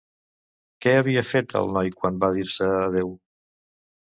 Què havia fet el noi quan van dir-se adeu?